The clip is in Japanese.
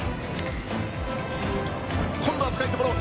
今度は深いところ！